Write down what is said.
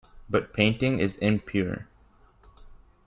But painting is 'impure'.